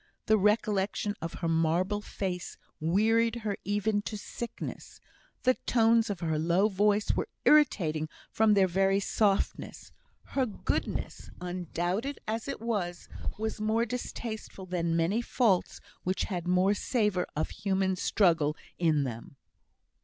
The recollection of her marble face wearied her even to sickness; the tones of her low voice were irritating from their very softness. Her goodness, undoubted as it was, was more distasteful than many faults which had more savour of human struggle in them.